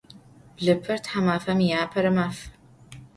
Blıper – thamafem yiapere maf.